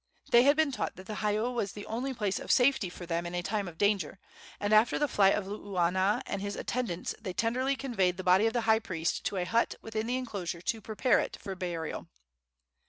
They had been taught that the heiau was the only place of safety for them in a time of danger, and after the flight of Luuana and his attendants they tenderly conveyed the body of the high priest to a hut within the enclosure to prepare it for burial.